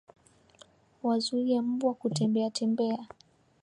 Wazuie mbwa kutembeatembea